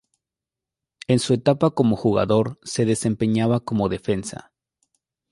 En su etapa como jugador se desempeñaba como defensa.